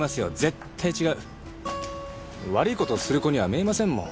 悪い事する子には見えませんもん。